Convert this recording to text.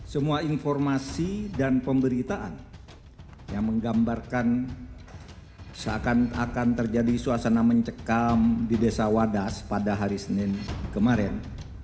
semua informasi dan pemberitaan yang menggambarkan seakan akan terjadi suasana mencekam di desa wadas pada hari senin kemarin